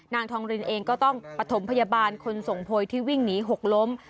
นางทองรินเองก็ต้องปฐมพยาบาลคนส่งโพยที่วิ่งหนีหกล้ม